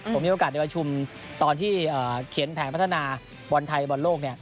ผมมีโอกาสได้ประชุมตอนที่เขียนแผนพัฒนาบอลไทยบอลโลก